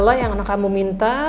masih ada yang anak kamu minta